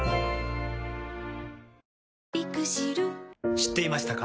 知っていましたか？